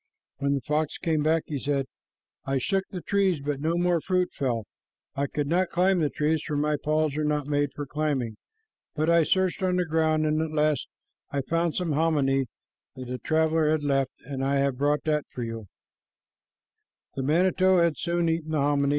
When the fox came back, he said, "I shook the trees, but no more fruit fell. I could not climb the trees, for my paws are not made for climbing, but I searched on the ground, and at last I found some hominy that a traveler had left, and I have brought you that." The manito had soon eaten the hominy.